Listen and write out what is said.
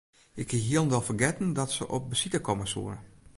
Ik hie hielendal fergetten dat se op besite komme soe.